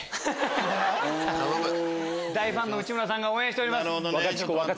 大ファンの内村さんが応援しております。